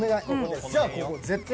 じゃあここ絶対。